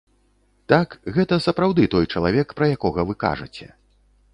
Так, гэта сапраўды той чалавек, пра якога вы кажаце.